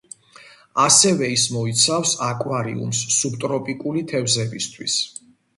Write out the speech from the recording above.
ასევე ის მოიცავს აკვარიუმს სუბტროპიკული თევზებისთვის.